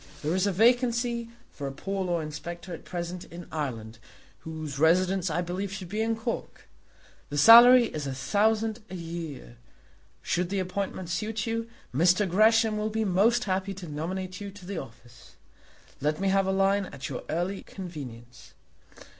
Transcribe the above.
There is a vacancy for a poor law inspector at present in Ireland, whose residence I believe should be in Cork. The salary is a thousand a year. Should the appointment suit you, Mr. Gresham will be most happy to nominate you to the office. Let me have a line at your early convenience.